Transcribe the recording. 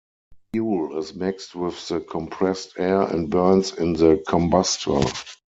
Fuel is mixed with the compressed air and burns in the combustor.